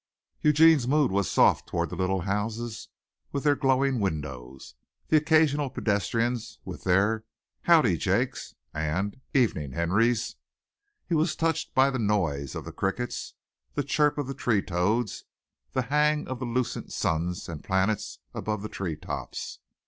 Eugene's mood was soft toward the little houses with their glowing windows, the occasional pedestrians with their "howdy Jakes" and "evenin' Henrys." He was touched by the noise of the crickets, the chirp of the tree toads, the hang of the lucent suns and planets above the tree tops.